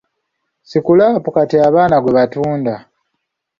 Sikulaapu kati abaana gwe batunda.